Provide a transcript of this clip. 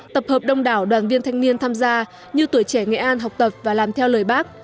tập hợp đông đảo đoàn viên thanh niên tham gia như tuổi trẻ nghệ an học tập và làm theo lời bác